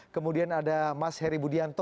kemudian ada mas heri budianto